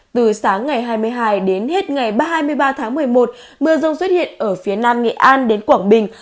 từ sáng ngày hai mươi hai đến hết ngày hai mươi ba tháng một mươi một mưa rông xuất hiện ở phía nam nghệ an đến quảng bình